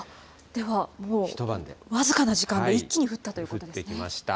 では、もう僅かな時間で一気に降ったということですね。